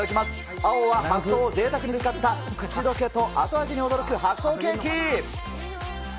青は白桃をぜいたくに使った口溶けと後味に驚く白桃ケーキ。